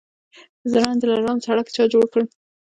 د زرنج دلارام سړک چا جوړ کړ؟